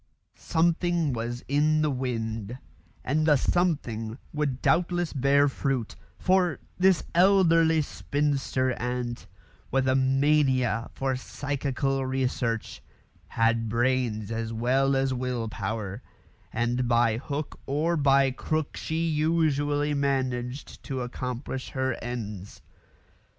Something was in the wind, and the "something" would doubtless bear fruit; for this elderly spinster aunt, with a mania for psychical research, had brains as well as will power, and by hook or by crook she usually managed to accomplish her ends.